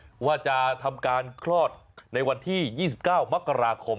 เพราะว่าจะทำการคลอดในวันที่๒๙มกราคม